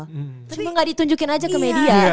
cuma enggak ditunjukin aja ke media